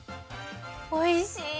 おいしい！